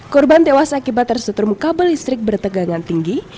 korban tewas akibat tersetur mukabel listrik bertegangan tinggi